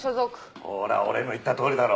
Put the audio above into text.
ほら俺の言ったとおりだろ。